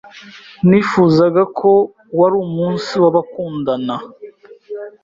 Nifuzaga ko wari umunsi w'abakundana!